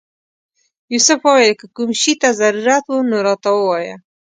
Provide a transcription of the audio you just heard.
یوسف وویل که کوم شي ته ضرورت و نو راته ووایه.